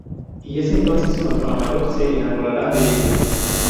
Y es entonces cuando Amador se enamorará de ella.